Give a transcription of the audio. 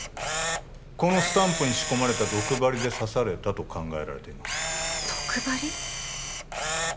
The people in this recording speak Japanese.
このスタンプに仕込まれた毒針で刺されたと考えられています毒針？